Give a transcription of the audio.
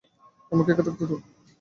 আমাকে একা থাকতে দাও।